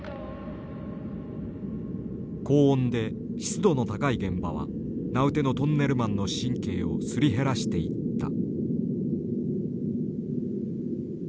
高温で湿度の高い現場は名うてのトンネルマンの神経をすり減らしていった。